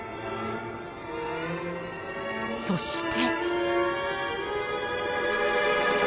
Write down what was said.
そして。